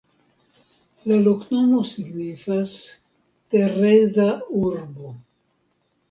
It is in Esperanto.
La loknomo signifas: Tereza-urbo.